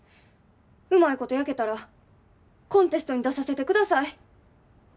うまいこと焼けたらコンテストに出させてください。